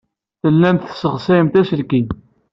Tellamt tesseɣsayemt aselkim.